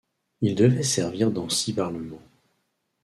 Il devait servir dans six parlements.